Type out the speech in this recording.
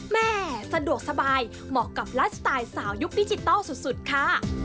แม่สะดวกสบายเหมาะกับไลฟ์สไตล์สาวยุคดิจิทัลสุดค่ะ